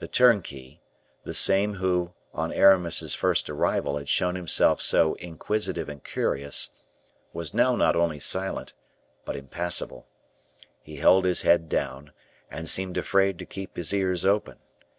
The turnkey, the same who, on Aramis's first arrival had shown himself so inquisitive and curious, was now not only silent, but impassible. He held his head down, and seemed afraid to keep his ears open.